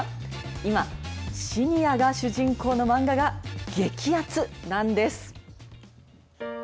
今、シニアが主人公の漫画が激アツなんです。